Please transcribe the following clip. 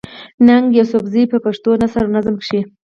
ننګ يوسفزۍ په پښتو نثر او نظم کښې